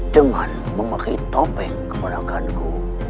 dengan memakai topeng kepanakanku